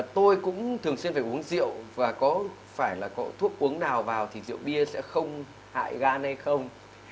tôi cũng thường xuyên phải uống rượu và có phải là có thuốc uống nào vào thì rượu bia sẽ không hại gan hay không